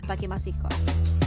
bagi masi kot